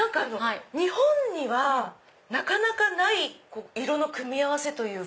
日本にはなかなかない色の組み合わせというか。